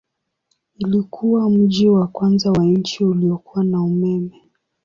Ilikuwa mji wa kwanza wa nchi uliokuwa na umeme.